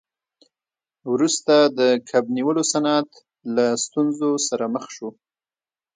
وروسته د کب نیولو صنعت له ستونزو سره مخ شو.